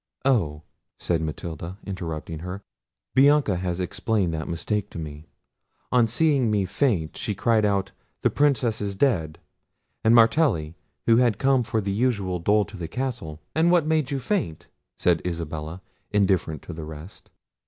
"Oh!" said Matilda, interrupting her, "Bianca has explained that mistake to me: on seeing me faint, she cried out, 'The Princess is dead!' and Martelli, who had come for the usual dole to the castle—" "And what made you faint?" said Isabella, indifferent to the rest.